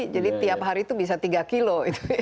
jadi tiap hari itu bisa tiga kilo